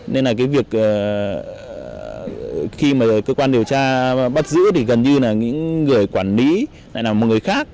nên là cái việc khi mà cơ quan điều tra bắt giữ thì gần như là những người quản lý lại là một người khác